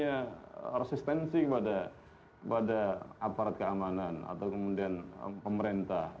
jadi apalagi ada resistensi kepada aparat keamanan atau kemudian pemerintah